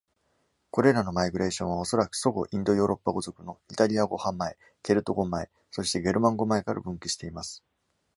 これらのマイグレーションは恐らく祖語インド・ヨーロッパ語族のイタリア語派前、ケルト語前、そしてゲルマン語前から分岐しています。